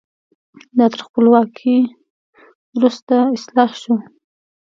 دا تر خپلواکۍ وروسته اصلاح شو.